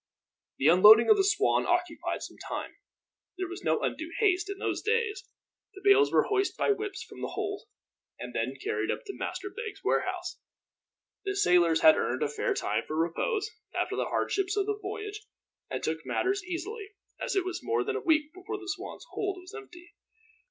The unloading of the Swan occupied some time. There was no undue haste, in those days. The bales were hoisted by whips from the hold, and then carried up to Master Beggs' warehouse. The sailors had earned a fair time for repose, after the hardships of the voyage, and took matters easily, and it was more than a week before the Swan's hold was empty.